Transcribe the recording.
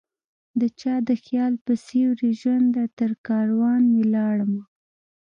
دچا د خیال په سیوری ژونده ؛ ترکاروان ولاړمه